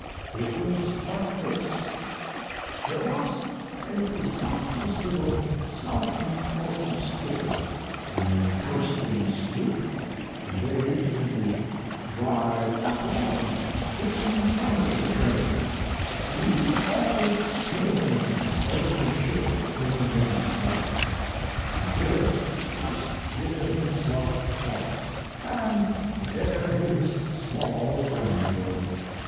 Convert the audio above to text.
It was like this: There was a presumptuous little self important skipper in a coasting sloop engaged in the dried apple and kitchen furniture trade, and he was always hailing every ship that came in sight. He did it just to hear himself talk and to air his small grandeur.